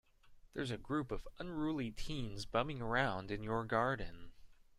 There's a group of unruly teens bumming around in your garden.